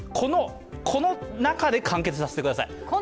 この中で完結させてください。